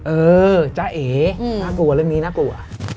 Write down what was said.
เออจ้าเอ๋น่ากลัวเรื่องนี้น่ากลัว